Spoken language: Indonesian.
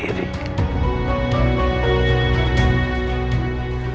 biar sultan pergi sendiri